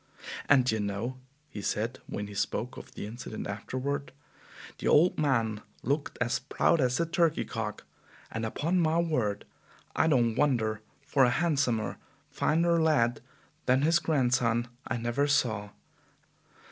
"And, d' ye know," he said, when he spoke of the incident afterward, "the old man looked as proud as a turkey cock; and upon my word I don't wonder, for a handsomer, finer lad than his grandson I never saw!